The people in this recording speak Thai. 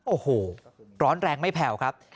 โอ้โหร้อนแรงไม่แผ่วครับ